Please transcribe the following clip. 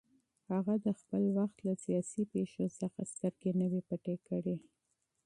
هغه د خپل وخت له سیاسي پېښو څخه سترګې نه وې پټې کړې